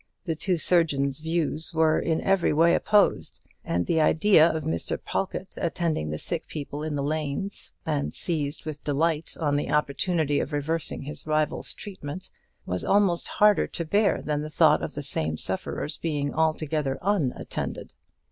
the two surgeons' views were in every way opposed, and the idea of Mr. Pawlkatt attending the sick people in the lanes, and seizing with delight on the opportunity of reversing his rival's treatment, was almost harder to bear than the thought of the same sufferers being altogether unattended.